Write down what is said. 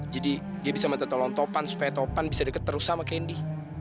jadi dia bisa minta tolong topan supaya topan bisa deket terus sama candy